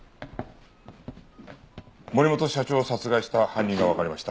森本社長を殺害した犯人がわかりました。